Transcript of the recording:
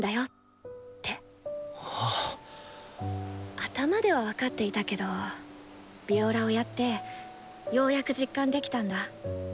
頭では分かっていたけどヴィオラをやってようやく実感できたんだ。